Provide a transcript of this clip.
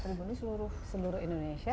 empat ini seluruh indonesia